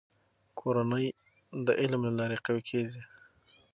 کورنۍ د علم له لارې قوي کېږي.